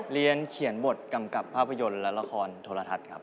เรียนเขียนบทกำกับภาพยนตร์และละครโทรทัศน์ครับ